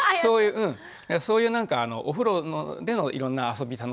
そういうなんかお風呂でのいろんな遊び楽しみ